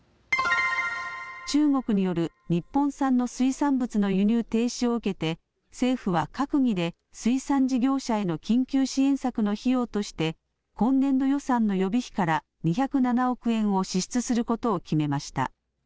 中国による日本産の水産物の輸入停止を受けて政府は閣議で水産事業者への緊急支援策の費用として今年度予算の予備費から２０７億円を支出することを決めました。